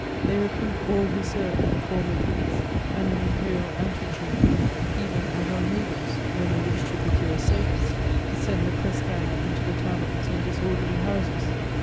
They recruit all who served in the former police and in the imperial ante chamber, even as our neighbours, when they wish to procure sailors, send the press gang into the taverns and disorderly houses.